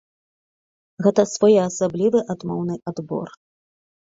Гэта своеасаблівы адмоўны адбор.